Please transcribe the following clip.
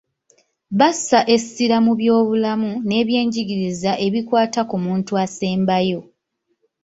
Bassa essira mu by’obulamu n’ebyenjigiriza ebikwata ku muntu asembayo.